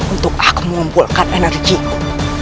untuk aku mengumpulkan enerjiku